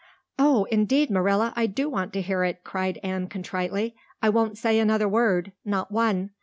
"Oh, indeed, Marilla, I do want to hear it," cried Anne contritely. "I won't say another word not one.